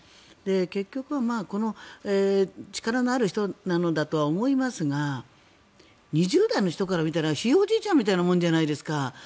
結局、力のある人なのだろうとは思いますが２０代の人から見たらひいおじいちゃんみたいなものじゃないですか。